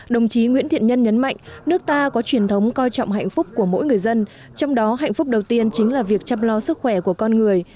đồng chí nguyễn thiện nhân nhấn mạnh nước ta có truyền thống coi trọng hạnh phúc của mỗi người dân trong đó hạnh phúc đầu tiên chính là việc chăm lo sức khỏe của con người